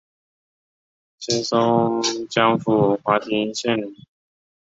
清松江府华亭县人。